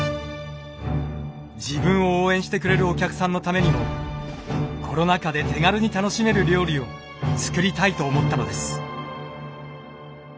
自分を応援してくれるお客さんのためにもコロナ禍で手軽に楽しめる料理を作りたいと思ったのです。